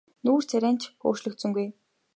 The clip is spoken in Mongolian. Нүүр царай харц нь ч өөрчлөгдсөнгүй.